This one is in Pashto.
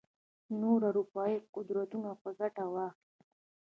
نور اروپايي قدرتونه به ګټه واخلي.